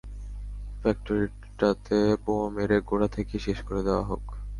ফ্যাক্টরিটাতে বোমা মেরে গোড়া থেকেই শেষ করে দেয়া হোক।